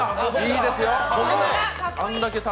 いいですよ！